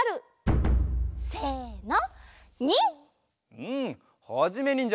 せの！